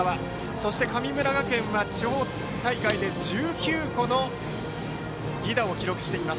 そして神村学園は地方大会で１９個の犠打を記録しています。